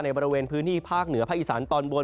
บริเวณพื้นที่ภาคเหนือภาคอีสานตอนบน